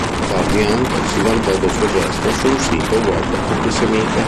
Più tardi Hunt si vantò del suo gesto su un sito web antisemita.